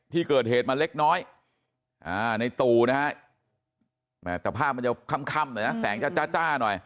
ที่เกิดเหตุมาเล็กน้อยในตู่นะฮะแต่ภาพมันจะค่ำหน่อยนะแสงจะจ้าหน่อย